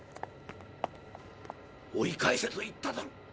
追い返せと言っただろ！